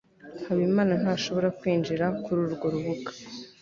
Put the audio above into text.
habimana ntashobora kwinjira kururwo rubuga